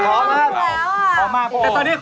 ในหน้าพักโดนเขาแล้วนี่